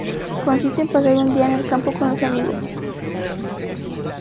Consiste en pasar un día en el campo con los amigos.